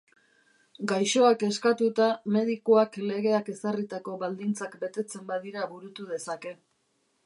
Gaixoak eskatuta, medikuak legeak ezarritako baldintzak betetzen badira burutu dezake.